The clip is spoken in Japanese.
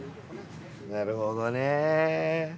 なるほどね。